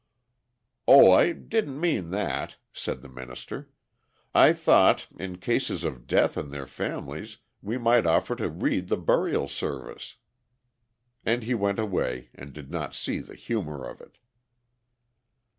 "Oh, I didn't mean that," said the minister; "I thought, in cases of death in their families, we might offer to read the burial service." And he went away and did not see the humour of it!